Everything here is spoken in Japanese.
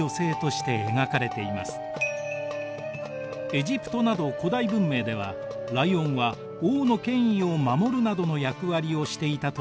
エジプトなど古代文明ではライオンは王の権威を守るなどの役割をしていたといわれています。